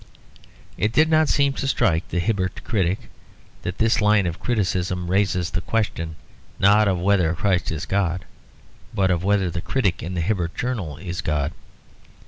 It did not seem to strike the Hibbert critic that this line of criticism raises the question, not of whether Christ is God, but of whether the critic in the Hibbert Journal is God.